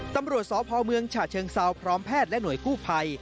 ตำรวจสพเมืองฉะเชิงเซาพร้อมแพทย์และหน่วยกู้ภัย